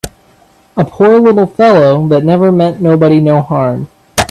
A poor little fellow that never meant nobody no harm!